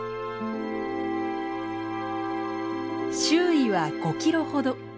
周囲は５キロほど。